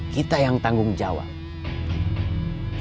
kita yang tanggung jawab